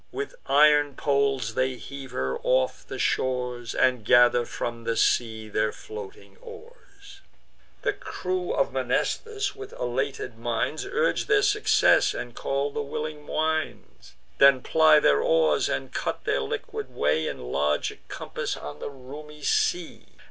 With iron poles they heave her off the shores, And gather from the sea their floating oars. The crew of Mnestheus, with elated minds, Urge their success, and call the willing winds; Then ply their oars, and cut their liquid way In larger compass on the roomy sea.